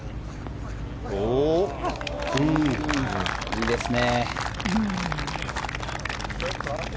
いいですね。